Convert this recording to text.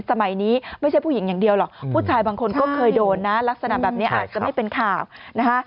สมัยนี้ไม่ใช่ผู้หญิงอย่างเดียวหรอกผู้ชายบางคนก็เคยโดนนะลักษณะแบบนี้อาจจะไม่เป็นข่าวนะคะ